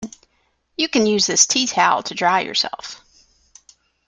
You can use this teatowel to dry yourself.